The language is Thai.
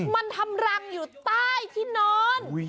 มันทำรังอยู่ใต้ที่นอน